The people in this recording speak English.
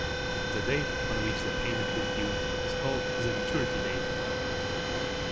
The date on which the payment is due is called the maturity date.